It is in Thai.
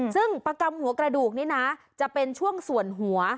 ซึ่งประกำหัวกระดูกนี้นะจะเป็นช่วงส่วนหัว